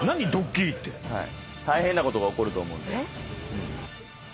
大変なことが起こると思うんで。